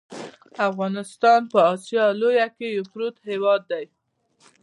افغانستان په اسیا لویه کې یو پروت هیواد دی .